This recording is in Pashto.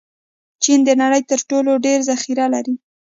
چین د نړۍ تر ټولو ډېر ذخیره لري.